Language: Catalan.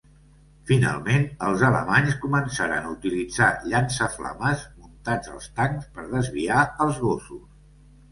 Finalment, els alemanys començaren a utilitzar llançaflames muntats als tancs per desviar els gossos.